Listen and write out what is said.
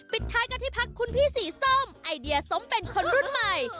ปิดท้ายกันที่พักคุณพี่สีส้มไอเดียสมเป็นคนรุ่นใหม่